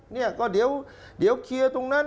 เนี่ยก็เดี๋ยวเคลียร์ตรงนั้น